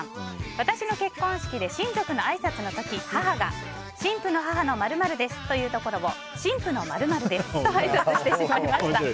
私の結婚式で親族のあいさつの時母が新婦の母の○○ですと言うところを新婦の○○ですとあいさつしてしまいました。